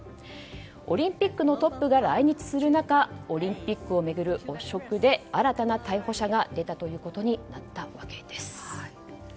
オリンピックのトップが来日する中オリンピックを巡る汚職で新たな逮捕者が出たことになったわけです。